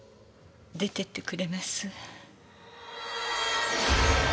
出てってくれます？